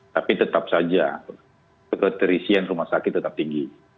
tapi tetap saja keterisian rumah sakit tetap tinggi